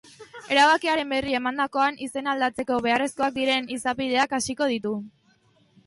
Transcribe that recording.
Erabakiaren berri emandakoan, izena aldatzeko beharrezkoak diren izapideak hasiko ditu.